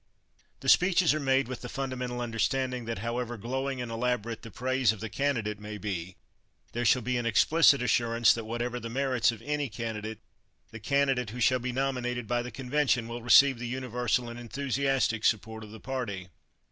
The speeches are made with the fundamental understanding that, however glowing and elaborate the praise of the candidate may be, there shall be an explicit assurance that whatever the merits of any candidate, the candidate who shall be nominated by the convention will receive the universal and enthusiastic support of the party.